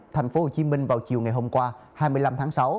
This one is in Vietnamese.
thành phố hồ chí minh vào chiều ngày hôm qua hai mươi năm tháng sáu